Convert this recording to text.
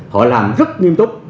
họ làm rất nghiêm túc